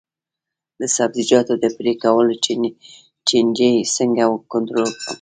د سبزیجاتو د پرې کولو چینجي څنګه کنټرول کړم؟